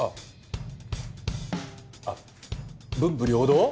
あっ文武両道？